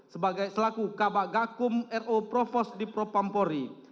sebagai selaku kabak gakum ro profos dipropampori